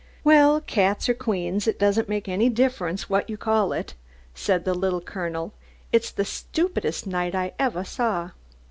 "Well, cats or queens, it doesn't make any difference what you call it," said the Little Colonel, "it's the stupidest night I evah saw.